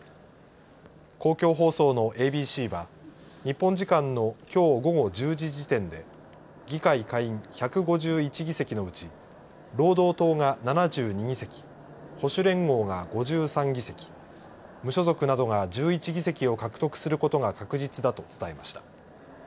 公共放送のＡＢＣは日本時間のきょう午後１０時時点で議会下院１５１議席のうち労働党が７２議席保守連合が５３議席無所属などが１１議席を獲得することが確実だと伝えました。